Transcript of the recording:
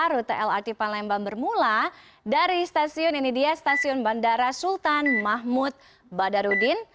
rute lrt palembang bermula dari stasiun bandara sultan mahmud badarudin